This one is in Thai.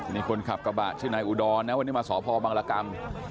นี่คุณครับกระบะชื่อนายอุดรแล้ววันนี้มาสหพบังลกรรม